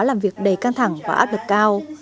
làm việc đầy căng thẳng và áp lực cao